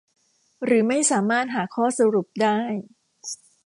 หรือไม่สามารถหาข้อสรุปได้